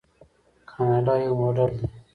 کاناډا یو موډل دی.